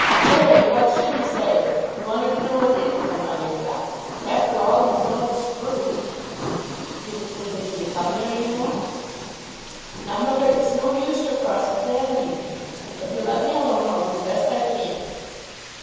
"Say; what should he say? He wanted to know what income I had got. After all he's an old screw." "Did he forbid you to come there any more?" "Now, mother, it's no use your cross examining me. If you'll let me alone I'll do the best I can."